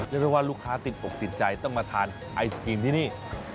แล้วเวลาลูกค้าติดปกติใจต้องมาทานไอศกรีมที่นี่